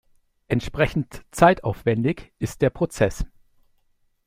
Entsprechend zeitaufwendig ist der Prozess.